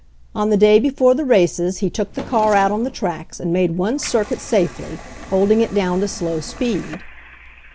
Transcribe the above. On the day before the races he took the car out on the tracks and made one circuit safely, holding it down to slow speed.